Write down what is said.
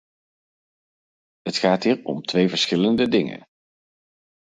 Het gaat hier om twee verschillende dingen.